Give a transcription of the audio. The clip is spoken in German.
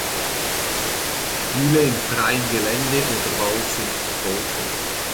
Spiele in freiem Gelände oder Wald sind verboten.